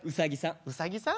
うさぎさん。